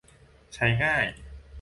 ใช้ง่าย